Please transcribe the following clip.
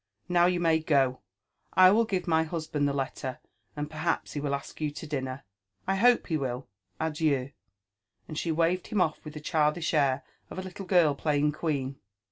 — now you may go,— I will give my husband the letter, and perhaps he will ask you to dinner, — I hope he will. Adieu!" And she waved hin\ off wilh the childish air of a liltle girl playing queen.